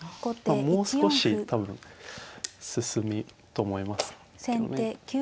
もう少し多分進むと思いますけどね。